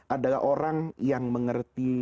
adalah orang yang mengerti